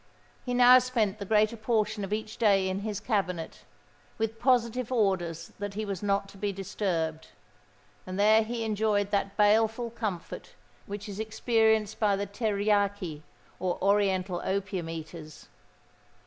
He now spent the greater portion of each day in his cabinet, with positive orders that he was not to be disturbed; and there he enjoyed that baleful comfort which is experienced by the Teryaki, or oriental opium eaters.